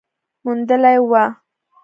موندلې وه